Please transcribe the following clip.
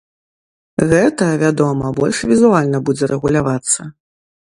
Гэта, вядома, больш візуальна будзе рэгулявацца.